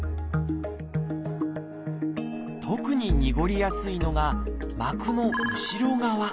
特ににごりやすいのが膜の後ろ側。